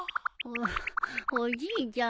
おじいちゃん